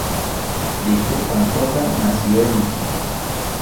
Víctor Pantoja nació en Iquitos.